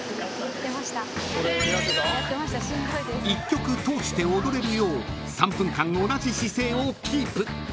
［１曲通して踊れるよう３分間同じ姿勢をキープ］